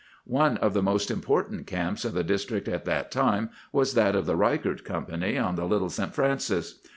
"One of the most important camps of the district at that time was that of the Ryckert Company, on the Little St. Francis.